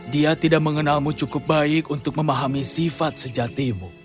dia tidak mengenalmu cukup baik untuk memahami sifat sejatimu